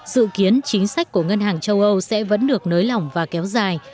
dự kiến chính sách của ngân hàng châu âu sẽ vẫn được nới lỏng và kéo dài